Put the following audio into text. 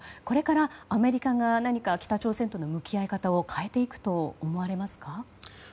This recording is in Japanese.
これからアメリカが何か北朝鮮との向き合い方を変えていくと思われますか？